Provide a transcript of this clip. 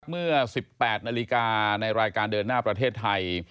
เมื่อ๑๘นาฬิกาในรายการเดินหน้าประเทศไทย